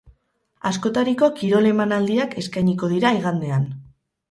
Askotariko kirol emanaldiak eskainiko dira igandean.